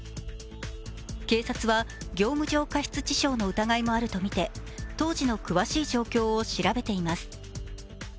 警察は業務上過失致傷の疑いもあるとみて当時の詳しい状況を調べています。